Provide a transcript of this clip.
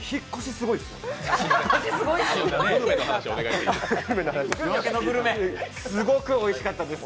すごくおいしかったです。